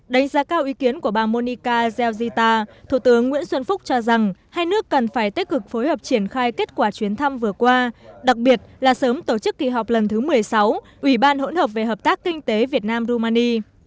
đánh giá cao ý kiến của bà monica giurgita thủ tướng nguyễn xuân phúc cho rằng hai nước cần phải tích cực phối hợp triển khai kết quả chuyến thăm vừa qua đặc biệt là sớm tổ chức kỳ họp lần thứ một mươi sáu ủy ban hỗn hợp về hợp tác kinh tế việt nam rumani